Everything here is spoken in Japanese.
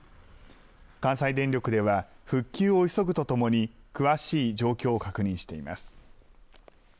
関西電力では、復旧を急ぐとともに、詳しい状況を確認しています。